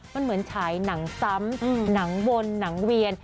มันเหมือนฉายหนังซ้ำหนังวนหนังเวียน